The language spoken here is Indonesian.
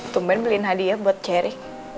tumpahnya beliin hadiah buat ceri